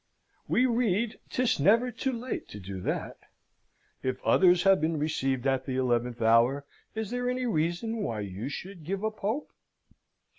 We read, 'tis never too late to do that. If others have been received at the eleventh hour, is there any reason why you should give up hope?"